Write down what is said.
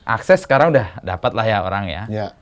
akses sekarang sudah dapat lah ya orang ya